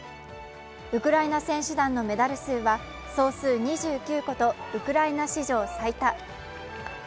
ウクライナ選手団のメダル数は総数２９個とウクライナ史上最多。